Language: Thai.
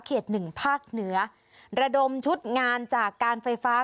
หนึ่งภาคเหนือระดมชุดงานจากการไฟฟ้า